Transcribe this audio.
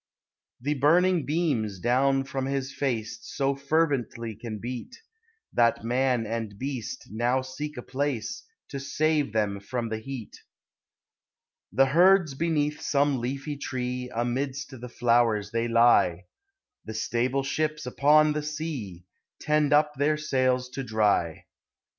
The burning beams down from his face So fervently can beat, That man and beast now seek a place To save them from the heat. THE SEASONS. 107 The herds beneath some leafy tree, Amidst the flowers they lie; The stable ships upon the sea Tend up their sails to dry.